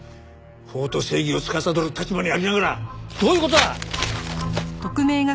法と正義をつかさどる立場にありながらどういう事だ！？